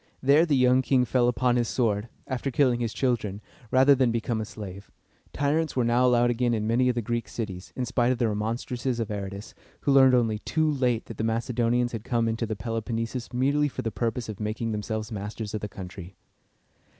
There the young king fell upon his sword, after killing his children, rather than become a slave. Tyrants were now allowed again in many of the Greek cities, in spite of the remonstrances of Aratus, who learned only too late that the Macedonians had come into the Peloponnesus merely for the purpose of making themselves masters of the country.